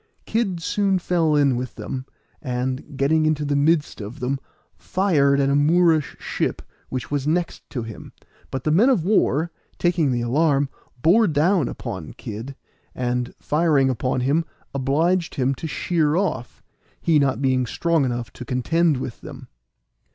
Kid soon fell in with them, and, getting into the midst of them, fired at a Moorish ship which was next him; but the men of war, taking the alarm, bore down upon Kid, and, firing upon him, obliged him to sheer off, he not being strong enough to contend with them.